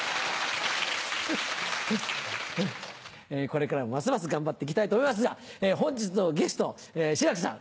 これからもますます頑張って行きたいと思いますが本日のゲスト志らくさん